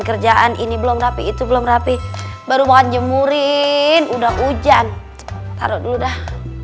kerjaan ini belum rapi itu belum rapi baru makan jemurin udah hujan taruh dulu dah